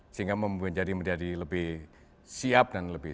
sehingga menjadi lebih siap